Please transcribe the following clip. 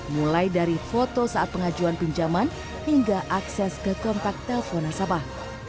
mulai dari foto saat pengajuan pinjaman hingga akses ke kontak telpon nasabah